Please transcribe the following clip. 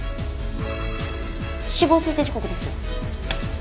死亡推定時刻です。